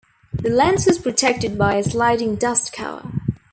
The lens was protected by a sliding dust cover.